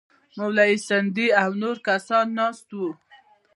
مولوي سندی او نور کسان ناست وو.